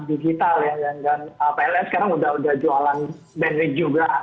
digital dan pln sekarang sudah jualan bandwidth juga